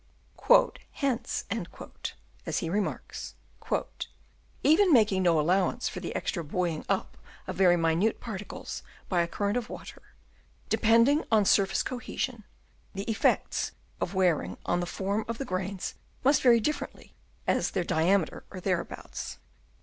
" Hence," as he remarks, "even making no allowance for the extra " buoying up of very minute particles by a " current of water, depending on surface " cohesion, the effects of wearing on the form " of the grains must vary directly as their " diameter or thereabouts.